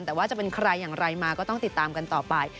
แต่ว่าจะเป็นใครอย่างไรมาก็ต้องติดตามกันต่อไป